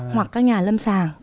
hoặc các nhà lâm sàng